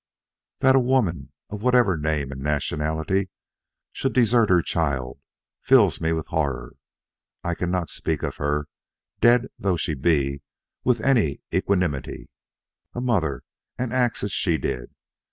That a woman of whatever name and nationality should desert her child fills me with horror. I cannot speak of her, dead though she be, with any equanimity. A mother and act as she did!